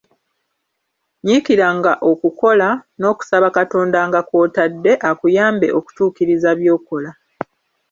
Nyiikiranga okukola, n'okusaba Katonda nga kw'otadde, akuyambe okutuukiriza by'okola.